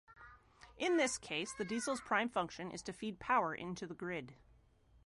In this case, the diesels prime function is to feed power into the grid.